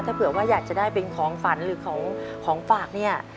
ถ้าเผื่อว่าอยากจะได้เป็นของฝันหรือของฝากเนี่ย